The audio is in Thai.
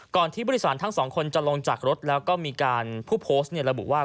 ที่ผู้โดยสารทั้งสองคนจะลงจากรถแล้วก็มีการผู้โพสต์ระบุว่า